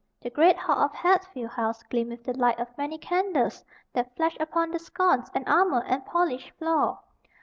The great hall of Hatfield House gleamed with the light of many candles that flashed upon the sconce and armor and polished floor.